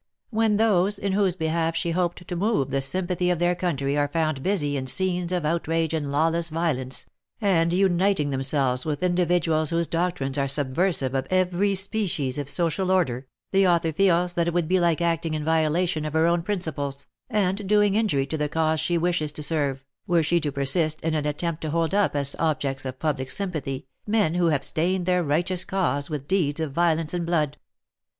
When those in whose behalf she hoped to move the sympathy of their country are found busy in scenes of outrage and lawless violence, and uniting themselves with individuals whose doctrines are subversive of every species of social order, the author feels that it would be alike acting in violation of her own principles, and doing injury to the cause she wishes to serve, were she to persist in an attempt to hold up as objects of public sympathy, men who have stained their righteous cause with deeds of violence and blood.